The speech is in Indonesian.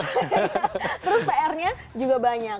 terus pr nya juga banyak